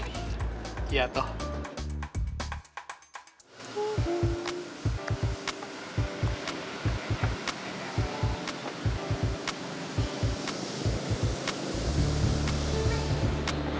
ini tuh coklat